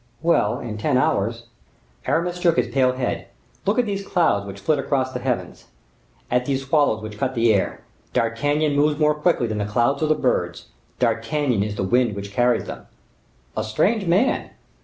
"Well, in ten hours—" Aramis shook his pale head. "Look at these clouds which flit across the heavens; at these swallows which cut the air. D'Artagnan moves more quickly than the clouds or the birds; D'Artagnan is the wind which carries them." "A strange man!"